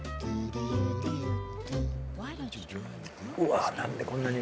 うわっ何でこんなに。